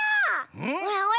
ほらほら